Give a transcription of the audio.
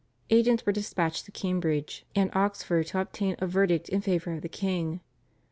Agents were dispatched to Cambridge and Oxford to obtain a verdict in favour of the king.